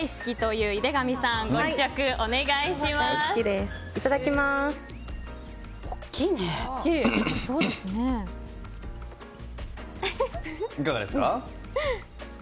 いかがですか？